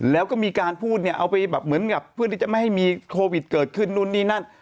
แล้วก็มีการพูดเนี่ยเอาไปแบบเหมือนกับเพื่อที่จะไม่ให้มีโควิดเกิดขึ้นนู่นนี่นั่น